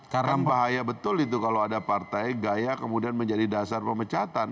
kan bahaya betul itu kalau ada partai gaya kemudian menjadi dasar pemecatan